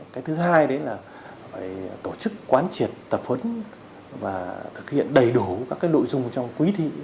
cái thứ hai đấy là phải tổ chức quán triệt tập huấn và thực hiện đầy đủ các cái nội dung trong kỳ thi